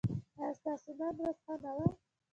ایا ستاسو نن ورځ ښه نه وه؟